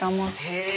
へえ！